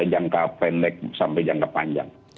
jangka pendek sampai jangka panjang